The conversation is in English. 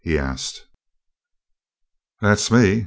he asked. "That's me.